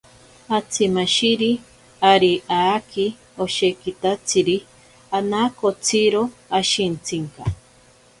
Atsimashiri ari aaki oshekitatsiri anakotsiro ashintsinka.